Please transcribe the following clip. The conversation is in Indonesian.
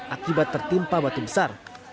akibat tertimpa batu besar